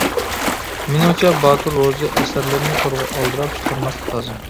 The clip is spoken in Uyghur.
مېنىڭچە باتۇر روزى ئەسەرلىرىنى تورغا ئالدىراپ چىقارماسلىق لازىم.